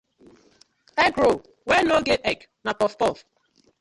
Egg roll wey no get egg na puff puff.